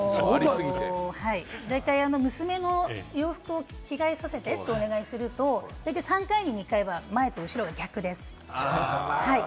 大体、娘の洋服を着替えさせてってお願いすると、大体３回に１回は前と後ろが逆です。